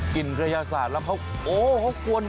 กลิ่นกระยะสาดแล้วเขาโอ้โฮเขากวน